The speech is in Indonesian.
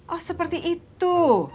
oh seperti itu